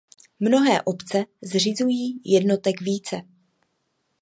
Mnohé obce zřizují jednotek více.